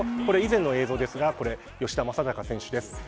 これ以前の映像ですが吉田正尚選手です。